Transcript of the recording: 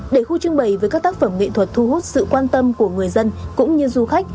để khu trưng bày với các tác phẩm nghệ thuật thu hút sự quan tâm của người dân cũng như du khách